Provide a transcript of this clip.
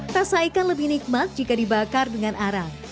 rasa ikan lebih nikmat jika dibakar dengan arang